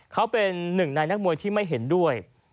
เขาเป็นหนึ่งในนักมวยที่ไม่เห็นด้วย